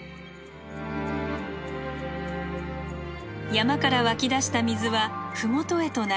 山から湧き出した水は麓へと流れ